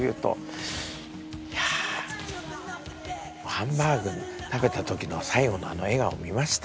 ハンバーグ食べたときの最後の笑顔見ました？